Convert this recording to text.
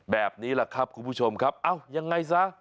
แบบนี้แหละครับคุณผู้ชมครับเอ้ายังไงซะ